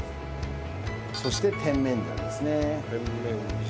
そして甜麺醤ですね。